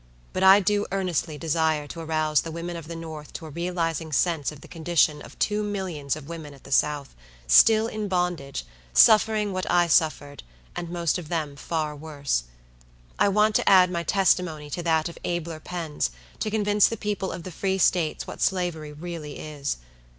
But I do earnestly desire to arouse the women of the North to a realizing sense of the condition of two millions of women at the South, still in bondage, suffering what I suffered, and most of them far worse. I want to add my testimony to that of abler pens to convince the people of the Free States what Slavery really is.